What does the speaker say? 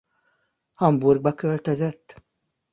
Hamburgba költözött.